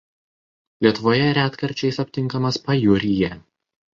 Lietuvoje retkarčiais aptinkamas pajūryje.